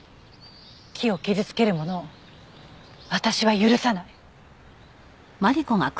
木を傷つける者を私は許さない！